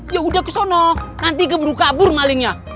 ya udah ke sana nanti keburu kabur maliknya